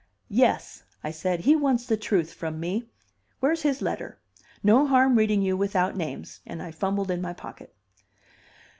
"Yes," I said. "He wants the truth from me. Where's his letter? No harm reading you without names." And I fumbled in my pocket.